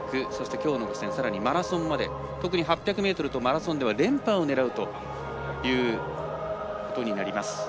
今回の５０００さらにマラソンまで特に８００ｍとマラソンでは連覇を狙うということになります。